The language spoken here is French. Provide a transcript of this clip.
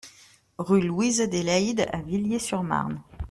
Rue Louise Adélaïde à Villiers-sur-Marne